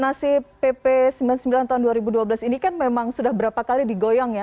nasib pp sembilan puluh sembilan tahun dua ribu dua belas ini kan memang sudah berapa kali digoyong ya